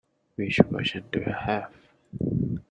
Which version do you have?